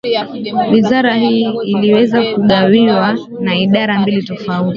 Wizara hii iliweza kugawiwa na Idara mbili tofauti